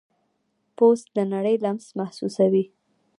پوست د نړۍ لمس محسوسوي.